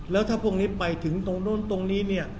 แล้วถ้าพวกนี้ไปถึงตรงนู้นตรงนี้เนี่ย